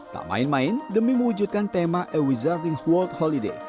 tak main main demi mewujudkan tema a wezarding world holiday